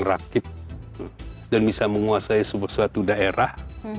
rakit dan bisa menguasai suatu daerah